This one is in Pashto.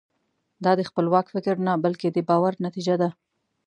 دا د خپلواک فکر نه بلکې د باور نتیجه ده.